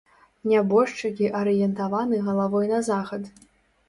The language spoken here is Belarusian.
Нябожчыкі арыентаваны галавой на захад.